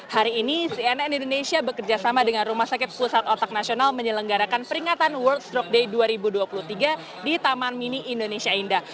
hari ini cnn indonesia bekerjasama dengan rumah sakit pusat otak nasional menyelenggarakan peringatan world stroke day dua ribu dua puluh tiga di taman mini indonesia indah